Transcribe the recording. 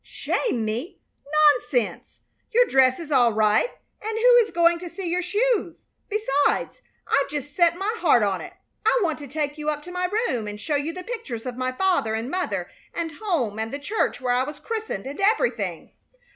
"Shame me? Nonsense! Your dress is all right, and who is going to see your shoes? Besides, I've just set my heart on it. I want to take you up to my room and show you the pictures of my father and mother and home and the church where I was christened, and everything."